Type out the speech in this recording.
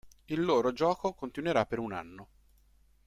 Il loro gioco continuerà per un anno.